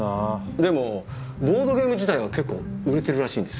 でもボードゲーム自体は結構売れてるらしいんです。